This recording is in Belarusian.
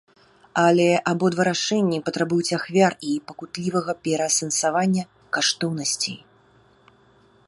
Але, абодва рашэнні патрабуюць ахвяр і пакутлівага пераасэнсавання каштоўнасцей.